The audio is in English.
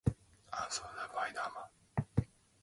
Arthur Wyndham directed the telecast.